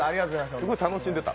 すごい楽しんでた？